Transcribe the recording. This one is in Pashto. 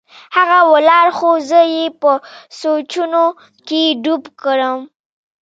هغه ولاړ خو زه يې په سوچونو کښې ډوب کړم.